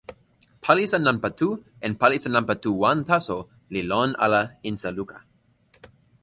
palisa nanpa tu en palisa nanpa tu wan taso li lon ala insa luka.